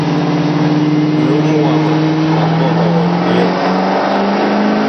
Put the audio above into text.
Nlom wama ma pɔhɔɔ nyɔ.